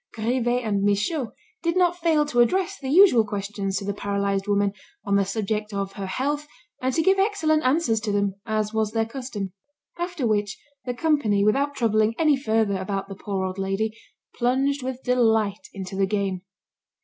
Grivet and Michaud did not fail to address the usual questions to the paralysed woman, on the subject of her health, and to give excellent answers to them, as was their custom. After which, the company, without troubling any further about the poor old lady, plunged with delight into the game.